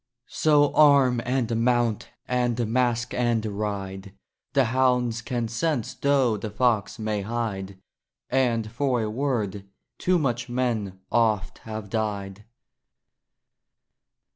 So arm and mount! and mask and ride! The hounds can sense though the fox may hide! And for a word too much men oft have died.